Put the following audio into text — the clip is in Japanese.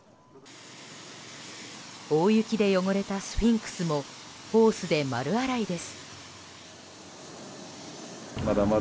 大雪で汚れたスフィンクスもホースで丸洗いです。